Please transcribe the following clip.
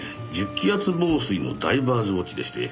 １０気圧防水のダイバーズウオッチでして。